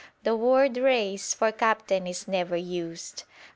The word reis for captain is never used.